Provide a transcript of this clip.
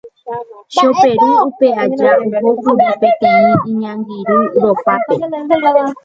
Choperu upe aja ohókuri peteĩ iñangirũ rópape.